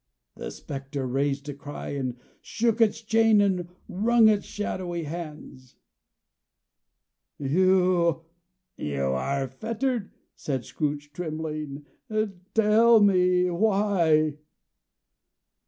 The spectre raised a cry, and shook its chain and wrung its shadowy hands. "You are fettered," said Scrooge, trembling. "Tell me why?"